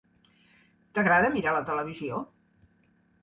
T'agrada mirar la televisió?